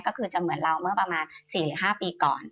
ก็คือจะเหมือนเราเมื่อประมาณ๔๕ปีก่อน